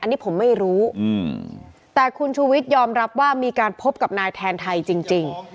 อันนี้ผมไม่รู้แต่คุณชูวิทยอมรับว่ามีการพบกับนายแทนไทยจริง